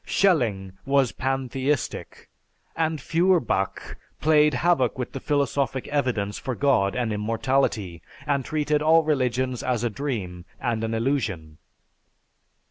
Schelling was pantheistic, and Feuerbach played havoc with the philosophic evidence for God and immortality and treated all religions as a dream and an illusion.